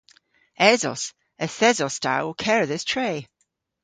Esos. Yth esos ta ow kerdhes tre.